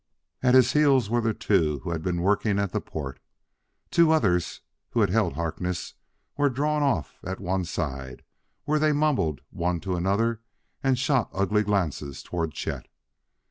At his heels were the two who had been working at the port. Two others, who had held Harkness, were drawn off at one side, where they mumbled one to another and shot ugly glances toward Chet.